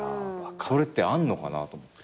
それってあんのかなと思って。